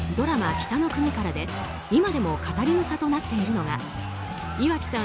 「北の国から」で今でも語り草となっているのが岩城さん